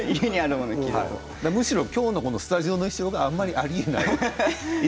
むしろ今日のスタジオの衣装がありえないと。